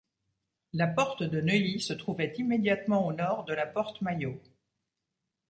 La porte de Neuilly se trouvait immédiatement au nord de la porte Maillot.